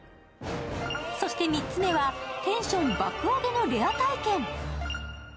そして３つ目は、テンション爆上げのレア体験。